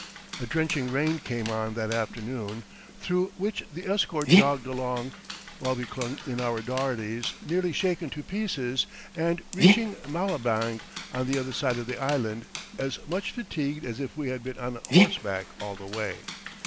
A drenching rain came on that afternoon, through which the escort jogged along, while we clung in our dougherties, nearly shaken to pieces, and reached Malabang, on the other side of the island, as much fatigued as if we had been on horseback all the way.